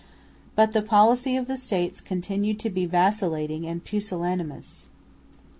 But the policy of the States continued to be vacillating and pusillanimous.